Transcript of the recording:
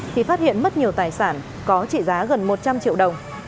thì phát hiện mất nhiều tài sản có trị giá gần một trăm linh triệu đồng